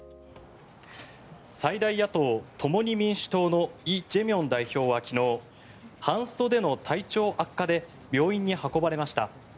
最大野党・共に民主党のイ・ジェミョン代表は昨日ハンストでの体調悪化で病院に運ばれました。